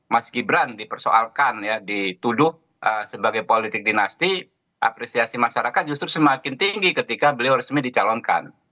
mas gibran dipersoalkan ya dituduh sebagai politik dinasti apresiasi masyarakat justru semakin tinggi ketika beliau resmi dicalonkan